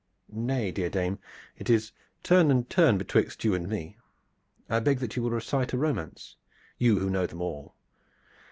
"Nay, dear dame, it is turn and turn betwixt you and me. I beg that you will recite a romance, you who know them all.